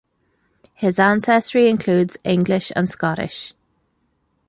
His ancestry includes English and Scottish.